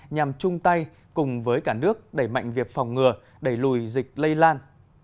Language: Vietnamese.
nhằm chung tay cùng với cả nước đẩy mạnh việc phòng ngừa đẩy lùi dịch lây lan